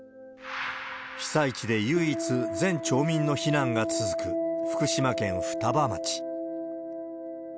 被災地で唯一、全町民の避難が続く福島県双葉町。